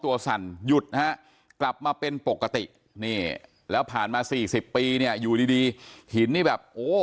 แล้วท่านผู้ชมครับบอกว่าตามความเชื่อขายใต้ตัวนะครับ